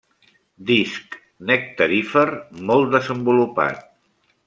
Disc nectarífer molt desenvolupat.